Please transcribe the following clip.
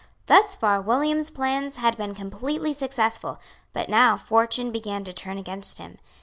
Thus far William's plans had been completely successful but now fortune began to turn against him.